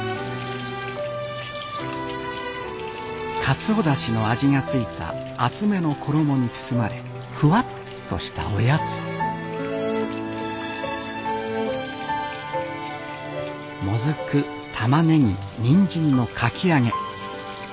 カツオだしの味が付いた厚めの衣に包まれふわっとしたおやつもずくたまねぎにんじんのかき揚げ。